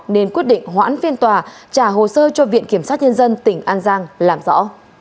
nên quyết định hoãn phiên tòa trả hồ sơ cho viện kiểm sát nhân dân tỉnh an giang làm rõ